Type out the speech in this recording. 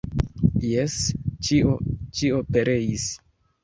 Jes, ĉio, ĉio pereis.